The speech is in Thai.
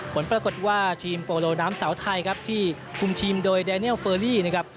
ผลปรากฏว่าทีมโปโลน้ำสาวไทยครับที่คุมทีมโดยแดเนียลเฟอรี่นะครับ